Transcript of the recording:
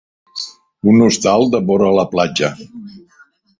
Un hostal devora la platja.